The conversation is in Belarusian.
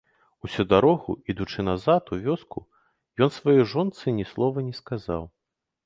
Усю дарогу, ідучы назад у вёску, ён сваёй жонцы ні слова не сказаў.